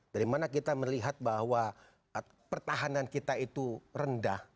dari mana kita melihat bahwa pertahanan kita itu rendah